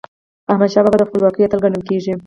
احمدشاه بابا د خپلواکی اتل ګڼل کېږي.